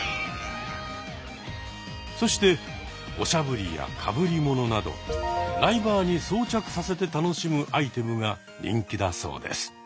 そしておしゃぶりやかぶり物などライバーに装着させて楽しむアイテムが人気だそうです。